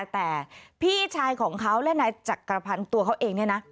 แต่พี่ชายของเขาและนายจักรพันธ์ตัวเขาเองเนี่ยนะ